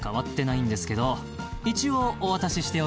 一応。